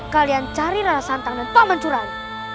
kalian cari rasantang dan pak man curali